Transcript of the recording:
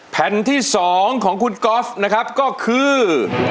แผ่นที่๒ของคุณก๊อฟนะครับก็คือ